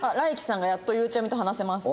ＲＡｉＫＩさんがやっとゆうちゃみと話せます。